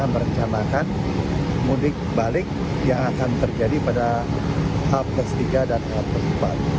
merencanakan mudik balik yang akan terjadi pada halp ke tiga dan halp ke empat